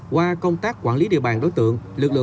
qua công tác quản lý địa bàn đối tượng